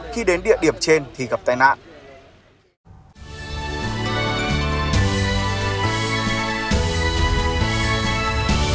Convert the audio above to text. khi đến địa điểm trên thì gặp tai nạn